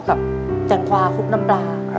กับจังควาคุกน้ำลา